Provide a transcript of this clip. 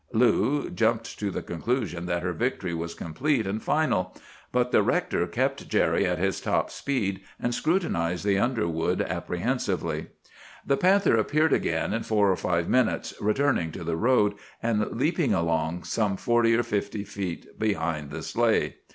"Lou jumped to the conclusion that her victory was complete and final; but the rector kept Jerry at his top speed, and scrutinized the underwood apprehensively. "The panther appeared again in four or five minutes, returning to the road, and leaping along some forty or fifty feet behind the sleigh.